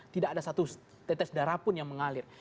tidak ada satu tetes darah pun yang mengalir